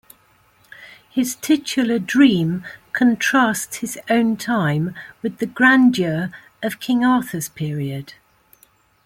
His titular dream contrasts his own time with the grandeur of King Arthur's period.